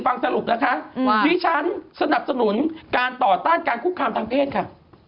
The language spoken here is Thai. ฟังสรุปนะคะดิฉันสนับสนุนการต่อต้านการคุกคามทางเพศค่ะ